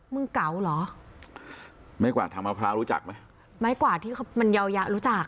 เก๋าเหรอไม้กวาดทางมะพร้าวรู้จักไหมไม้กวาดที่มันเยาวยะรู้จัก